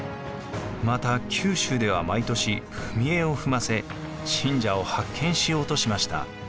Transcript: また九州では毎年踏絵を踏ませ信者を発見しようとしました。